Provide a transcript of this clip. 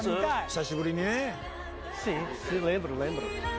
久しぶりにね。